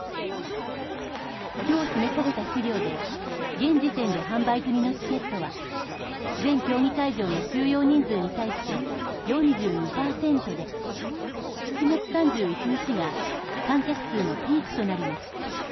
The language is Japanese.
今日示された資料で現時点で販売済みのチケットは全競技会場の収容人数に対して４２％で７月３１日が観客数のピークとなります。